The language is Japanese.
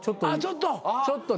ちょっとね。